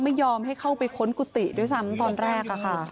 ไม่ยอมให้เข้าไปค้นกุฏิด้วยซ้ำตอนแรก